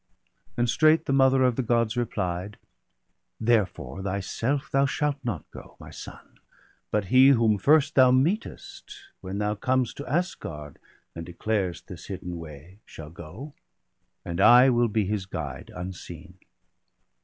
And straight the mother of the Gods replied :—' Therefore thyself thou shalt not go, my son. But he whom first thou meetest when thou com'st To Asgard, and declar'st this hidden way, Shall go; and I will be his guide unseen.'